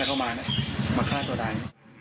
เข้ามามาฆ่าตัวตาย